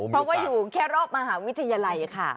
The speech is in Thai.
เพราะว่าอยู่แค่รอบมหาวิทยาลัยค่ะ